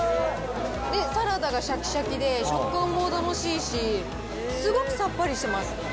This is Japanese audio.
サラダがしゃきしゃきで、食感も楽しいし、すごくさっぱりしてます。